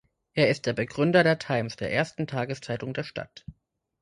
Er ist der Begründer der „Times“, der ersten Tageszeitung der Stadt.